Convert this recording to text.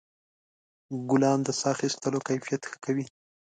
ګلان د ساه اخیستلو کیفیت ښه کوي.